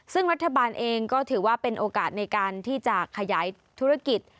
ซึ่งรัฐบาลเองก็ถือว่าเป็นโอกาสในการที่จะขยายธุรกิจ